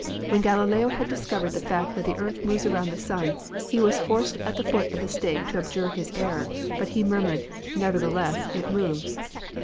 When Galileo had discovered the fact that the earth moved around the sun, he was forced at the foot of the stake to abjure his error, but he murmured, 'Nevertheless it moves.'